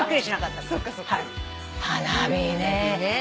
花火ねぇ。